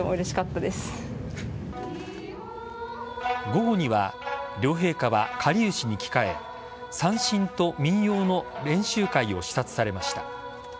午後には両陛下は、かりゆしに着替え三線と民謡の練習会を視察されました。